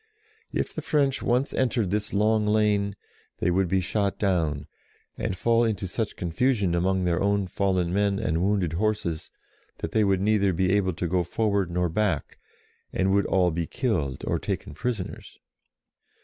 If the French once entered this long lane, they would be shot down, and fall into such confusion among their own fallen men and wounded horses, that they would neither be able to go forward nor back, and would all be killed or taken prisoners.